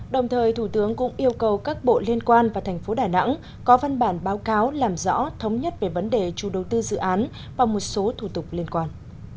đồng thời thủ tướng cũng yêu cầu các bộ liên quan và thành phố đà nẵng có văn bản báo cáo làm rõ thống nhất về vấn đề chủ đầu tư dự án và một số thủ tục liên quan